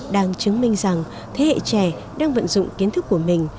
đang chứng minh rằng thế hệ trẻ đang vận dụng kiến thức của mình